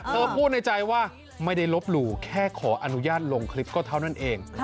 พูดในใจว่าไม่ได้ลบหลู่แค่ขออนุญาตลงคลิปก็เท่านั้นเอง